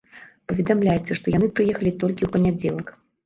Паведамляецца, што яны прыехалі толькі ў панядзелак.